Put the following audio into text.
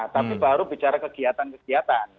tapi baru bicara kegiatan kegiatan